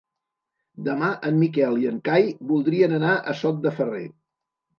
Demà en Miquel i en Cai voldrien anar a Sot de Ferrer.